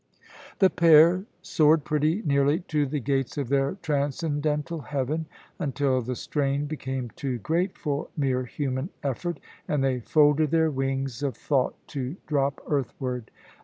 The pair soared pretty nearly to the gates of their transcendental heaven, until the strain became too great for mere human effort, and they folded their wings of thought to drop earthward.